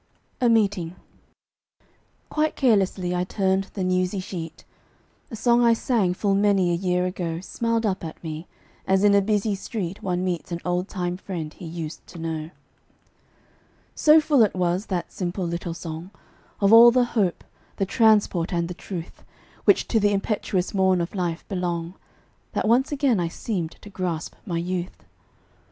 A MEETING. Quite carelessly I turned the newsy sheet; A song I sang, full many a year ago, Smiled up at me, as in a busy street One meets an old time friend he used to know. So full it was, that simple little song, Of all the hope, the transport, and the truth, Which to the impetuous morn of life belong, That once again I seemed to grasp my youth.